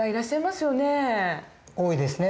多いですね。